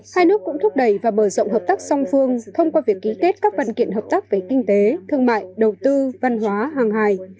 hai nước cũng thúc đẩy và mở rộng hợp tác song phương thông qua việc ký kết các văn kiện hợp tác về kinh tế thương mại đầu tư văn hóa hàng hài